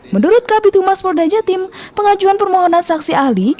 menurut kb tumas polda jatim pengajuan permohonan saksi ahli